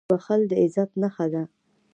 • بښل د عزت نښه ده.